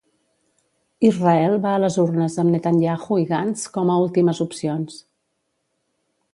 Israel va a les urnes amb Netanyahu i Gantz com a últimes opcions.